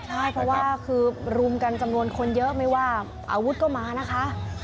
ใช่เพราะว่าคือรุมกันจำนวนคนเยอะไม่ว่าอาวุธก็มานะคะ